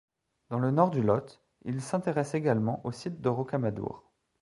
Dans le nord du Lot, il s'intéressa également au site de Rocamadour.